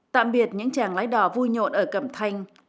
tạm biệt những chàng lái đò vui nhộn ở cẩm thanh